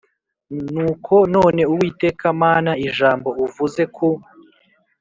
Nuko none Uwiteka Mana ijambo uvuze ku